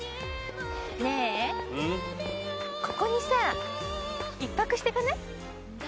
ねえここにさぁ一泊していかない？